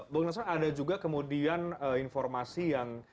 bapak nusrat ada juga kemudian informasi yang